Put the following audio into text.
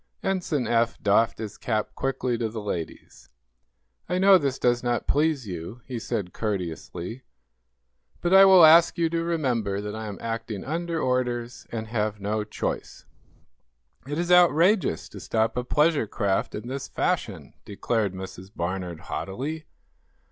Ensign Eph doffed his cap quickly to the ladies. "I know this does not please you," he said, courteously, "but I will ask you to remember that I am acting under orders, and have no choice." "It is outrageous to stop a pleasure craft in this fashion!" declared Mrs. Barnard, haughtily.